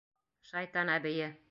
Шайтан әбейе!